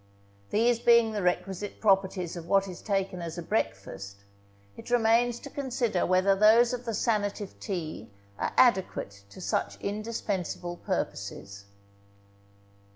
These being the requisite properties of what is taken as a breakfast, it remains to consider whether those of the sanative tea are adequate to such indispensible purposes.